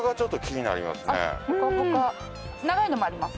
長いのもあります。